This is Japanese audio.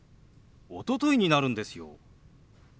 「おととい」になるんですよ。